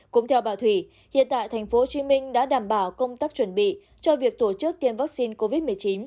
cũng theo bà thủy hiện tại tp hcm đã đảm bảo công tác chuẩn bị cho việc tổ chức tiêm vaccine covid một mươi chín